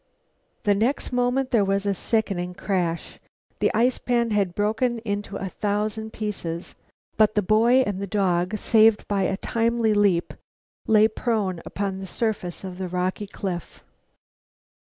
The next moment there was a sickening crash the ice pan had broken in a thousand pieces. But the boy and the dog, saved by a timely leap, lay prone upon the surface of the rocky cliff.